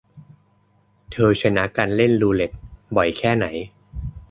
เธอชนะการเล่นรูเล็ต บ่อยแค่ไหน ?